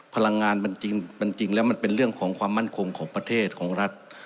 พลังงานมันจริงแล้วมันเป็นเรื่องของความมั่นคงของประเทศของรัฐ